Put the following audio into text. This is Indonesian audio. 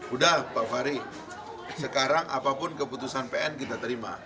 udah pak fahri sekarang apapun keputusan pn kita terima